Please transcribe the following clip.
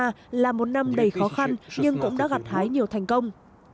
năm hai nghìn một mươi sáu là một năm đầy khó khăn nhưng cũng đã gặt hái nhiều thành công